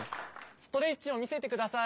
ストレッチをみせてください。